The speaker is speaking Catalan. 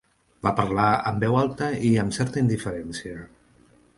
Va parlar amb veu alta i amb certa indiferència.